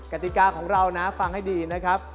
กติกาของเรานะฟังให้ดีนะครับ